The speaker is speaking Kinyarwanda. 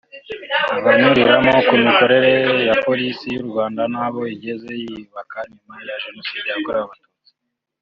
abanyuriramo ku mikorere ya Polisi y’u Rwanda n’aho igeze yiyubaka nyuma ya Jenoside yakorerwe Abatutsi